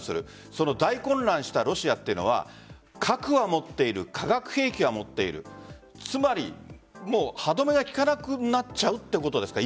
その大混乱したロシアというのは核は持っている化学兵器は持っているつまり、歯止めが利かなくなっちゃうということですか？